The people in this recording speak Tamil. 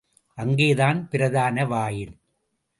அங்கேதான் பிரதான வாயில்.